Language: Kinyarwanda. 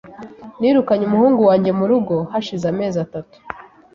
Nirukanye umuhungu wanjye mu rugo hashize amezi atatu.